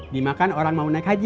dimakan orang mau naik haji